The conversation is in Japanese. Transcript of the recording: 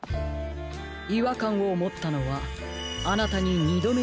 いわかんをもったのはあなたに２どめにあったとき。